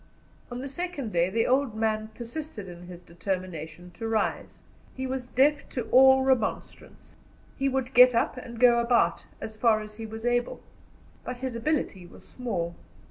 On the second day the old man persisted in his determination to rise. He was deaf to all remonstrance, he would get up and go about, as far as he was able. But his ability was small.